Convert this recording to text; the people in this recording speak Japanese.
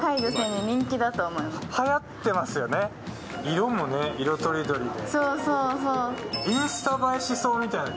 色も色とりどりで。